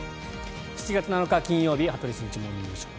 ７月７日、金曜日「羽鳥慎一モーニングショー」。